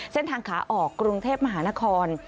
เส้นทางขาออกกรุงเทพมหานคร